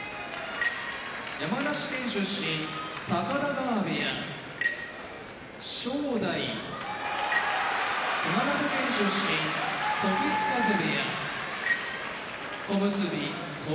山梨県出身高田川部屋正代熊本県出身時津風部屋小結・翔猿